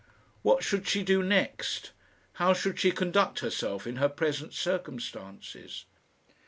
What should she do next? How should she conduct herself in her present circumstances?